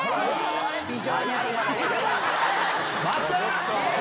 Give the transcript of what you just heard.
また？